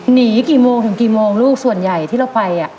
หนีกี่โมงถึงกี่โมงลูกส่วนใหญ่ที่เราไปอ่ะ